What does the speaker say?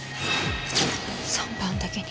３番だけに？